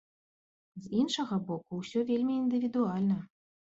З іншага боку, усё вельмі індывідуальна.